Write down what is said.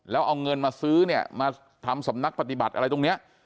แล้วเอาเงินมาซื้อเนี่ยมาทำสำนักปฏิบัติอะไรตรงนี้